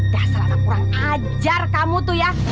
dah selama kurang ajar kamu tuh ya